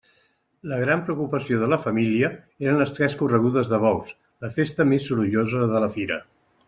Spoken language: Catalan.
La gran preocupació de la família eren les tres corregudes de bous, la festa més sorollosa de la fira.